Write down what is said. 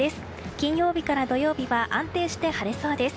金曜日から土曜日は安定して晴れそうです。